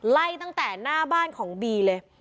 ไล่ตั้งแต่หน้าบ้านของบีเลย